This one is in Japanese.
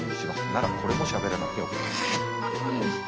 ならこれもしゃべらなくてよかった。